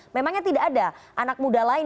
memangnya tidak ada anak muda lain